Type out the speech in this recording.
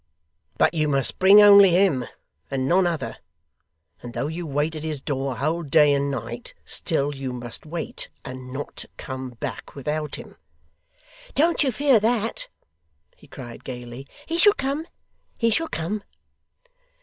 'But you must bring only him, and none other. And though you wait at his door a whole day and night, still you must wait, and not come back without him.' 'Don't you fear that,' he cried gaily. 'He shall come, he shall come.